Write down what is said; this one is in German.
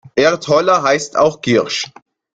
Erdholler heißt auch Giersch.